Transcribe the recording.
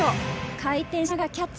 回転しながらキャッチ。